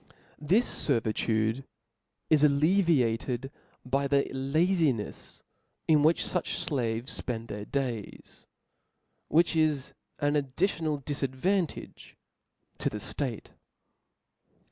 This fervitude is alleviated by the lazincfs in which fuch flaves fpend their days ; which is an addi tional difadvantage to the ftate.